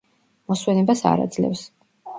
მოსვენებას არ აძლევს.